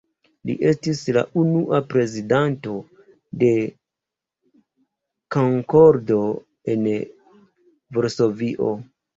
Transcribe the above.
Li estis la unua prezidanto de „Konkordo“ en Varsovio.